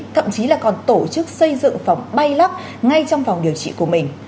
thậm chí là còn tổ chức xây dựng phòng bay lắc ngay trong phòng điều trị của mình